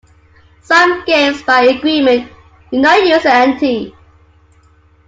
Some games by agreement do not use an ante.